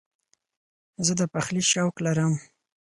زه د پخلي شوق لرم.